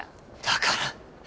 だから！